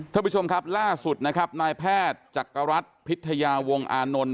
ท่านผู้ชมครับล่าสุดนะครับนายแพทย์จักรรัฐพิทยาวงอานนท์